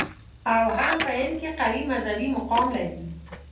او هم په هند کې قوي مذهبي مقام لري.